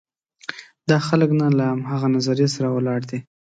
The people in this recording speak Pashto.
دا خلک نه له همغه نظریې سره ولاړ دي.